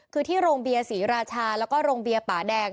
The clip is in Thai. คือที่โรงเบียร์ศรีราชาแล้วก็โรงเบียร์ป่าแดง